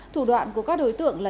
thủ đoạn của các đối tượng là